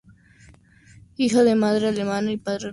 Hija de madre alemana y padre ruso.